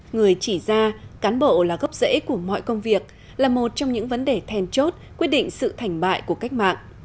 người chỉ ra cán bộ là gốc rễ của mọi công việc là một trong những vấn đề thèn chốt quyết định sự thành bại của cách mạng